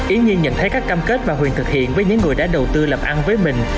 y nhiên nhận thấy các cam kết mà huyền thực hiện với những người đã đầu tư làm ăn với mình